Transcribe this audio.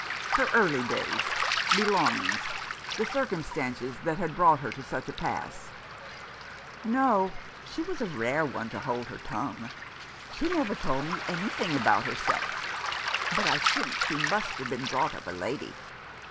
" Her early days — belongings — the circumstances that had brought her to such a pass ?" "No, she was a rare one to hold her tongue. She never told me anything about herself ; but I think she must have been brought up a lady.